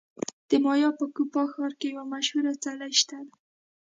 د مایا په کوپان ښار کې یو مشهور څلی شته دی